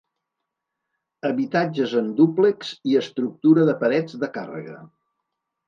Habitatges en dúplex i estructura de parets de càrrega.